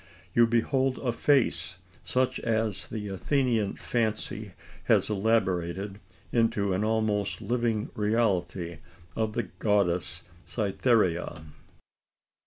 You behold a face, such as the Athenian fancy has elaborated into an almost living reality in the goddess Cytherea.